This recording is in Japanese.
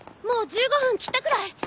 もう１５分切ったくらい。